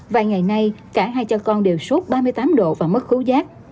vài ngày nay cả hai cha con đều sốt ba mươi tám độ và mất thú giác